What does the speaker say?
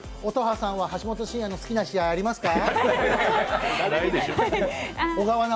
乙葉さんは橋本真也の好きな試合ありますか？